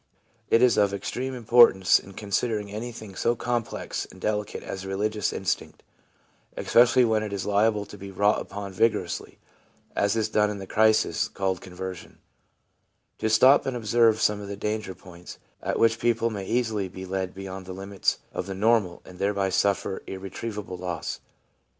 It is of extreme importance in consider ing anything so complex and delicate as the religious instinct — especially when it is liable to be wrought upon vigorously, as is done in the crisis called conversion — to stop and observe some of the danger points, at which people may easily be led beyond the limits of the normal, and thereby suffer irretrievable loss.